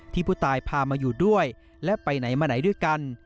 ผู้ตายพามาอยู่ด้วยและไปไหนมาไหนด้วยกัน